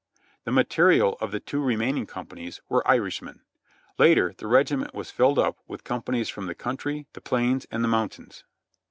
The material of the two remaining companies were Irishmen. Later the regiment was filled up with companies from the coun try, the plains and the mountains.